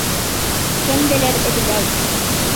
Кемделер эҙләй!